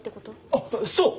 あっそう！